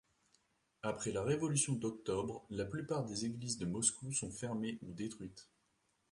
Après la Révolution d’Octobre, la plupart des églises de Moscou sont fermées ou détruites.